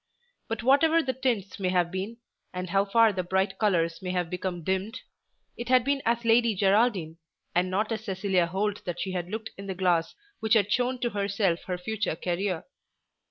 But whatever the tints may have been, and how far the bright colours may have become dimmed, it had been as Lady Geraldine, and not as Cecilia Holt that she had looked in the glass which had shown to herself her future career.